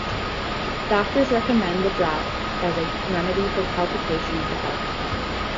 Doctors recommend the draught as a remedy for palpitation of the heart.